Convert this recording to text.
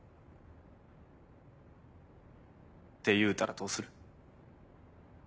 って言うたらどうする？